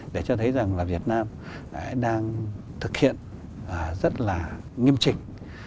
để cho thấy rằng là việt nam đang thực hiện rất là nghiêm trình